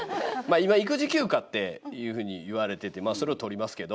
今育児休暇っていうふうにいわれててそれを取りますけど。